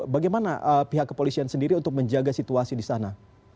bagaimana pihak kepolisian sendiri untuk menjaga situasi di sana